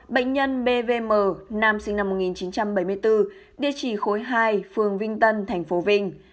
bệnh nhân bvm nam sinh năm một nghìn chín trăm bảy mươi bốn địa chỉ khối hai phường vinh tân tp vinh